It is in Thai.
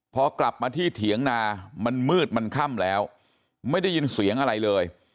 พอกลับมาที่เถียงนามันมืดมันค่ำแล้วไม่ได้ยินเสียงอะไรเลย